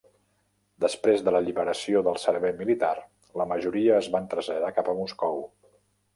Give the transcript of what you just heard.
Després de l'alliberació del servei militar, la majoria es van traslladar cap a Moscou.